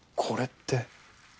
これって。